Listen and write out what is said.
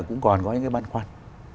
cũng còn có những cái băn khoăn